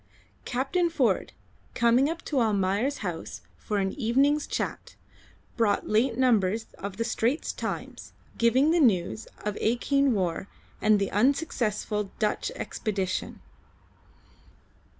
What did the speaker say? Captain Ford, coming up to Almayer's house for an evening's chat, brought late numbers of the Straits Times giving the news of Acheen war and of the unsuccessful Dutch expedition.